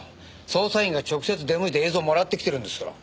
捜査員が直接出向いて映像をもらってきてるんですから。